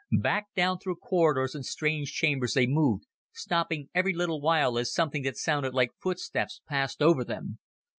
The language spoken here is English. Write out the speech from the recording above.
Back down through corridors and strange chambers they moved, stopping every little while as something that sounded like footsteps passed over them.